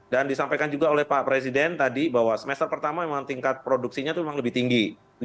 dan disampaikan juga oleh pak presiden tadi bahwa semester pertama memang tingkat produksinya itu memang lebih tinggi